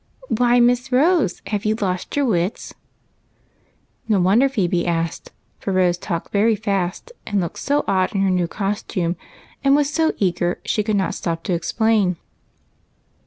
" Why, Miss Rose, have you lost your wits ?" No wonder Phebe asked, for Rose talked very fast, and looked so odd in her new costume, and was so eager she could not stoj) to explain.